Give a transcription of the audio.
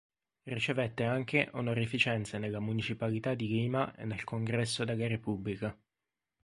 Ricevette anche onorificenze nella Municipalità di Lima e nel Congresso della Repubblica.